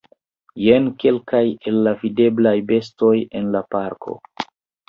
Jen kelkaj el la videblaj bestoj en la parko.